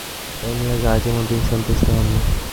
এ নিয়োগে আজিমউদ্দীন সন্তুষ্ট হননি।